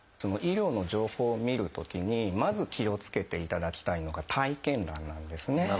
医療の情報を見るときにまず気をつけていただきたいのが体験談なんですね。